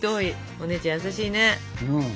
お姉ちゃん優しいね。